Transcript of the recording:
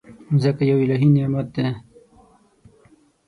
مځکه یو الهي نعمت دی.